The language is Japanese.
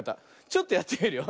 ちょっとやってみるよ。